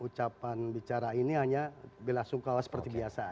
ucapan bicara ini hanya bila sungkawa seperti biasa aja